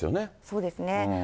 そうですね。